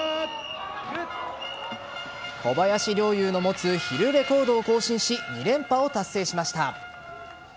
小林陵侑の持つヒルレコードを更新し２連覇を達成しました。